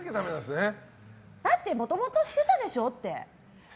もともとしてたでしょって。